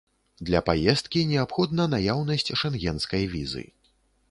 Для паездкі неабходна наяўнасць шэнгенскай візы.